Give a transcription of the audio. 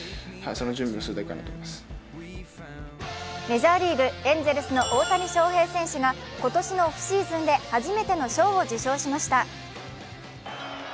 メジャーリーグ、エンゼルスの大谷翔平選手が今年のオフシーズンで初めての賞を受賞しました。